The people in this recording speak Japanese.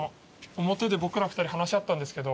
表で僕ら話し合ったんですけど。